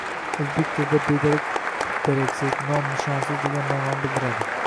O‘zbek tilida bedarak -daraksiz, nom-nishonsiz degan ma’noni bildiradi.